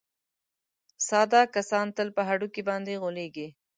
ساده کسان تل په هډوکي باندې غولېږي.